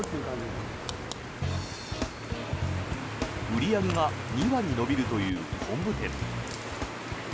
売り上げが２割伸びるという昆布店。